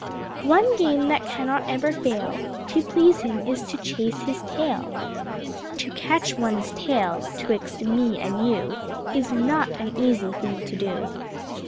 One game that cannot ever fail To please him is to chase his tail (To catch one's tail, 'twixt me and you, Is not an easy thing to do.)